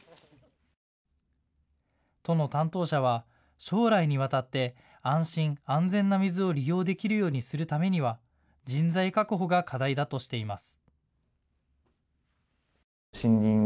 都の担当者は将来にわたって安心安全な水を利用できるようにするためには人材確保が課題だとしています。